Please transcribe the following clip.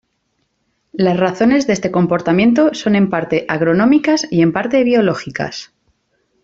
Las razones de este comportamiento son en parte agronómicas y en parte biológicas.